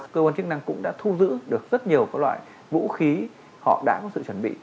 cơ quan chức năng cũng đã thu giữ được rất nhiều loại vũ khí họ đã có sự chuẩn bị